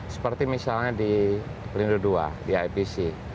seperti misalnya di pelindung dua di ipc